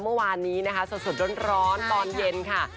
เมื่อวานนี้นะคะสดร้อนตอนเย็นค่ะ